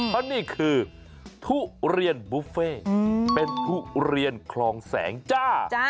เพราะนี่คือทุเรียนบุฟเฟ่เป็นทุเรียนคลองแสงจ้า